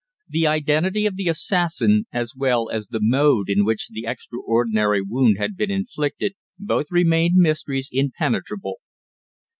The identity of the assassin, as well as the mode in which the extraordinary wound had been inflicted, both remained mysteries impenetrable.